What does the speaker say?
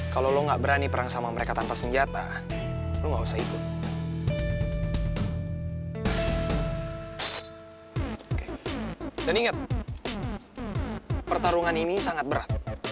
dan inget pertarungan ini sangat berat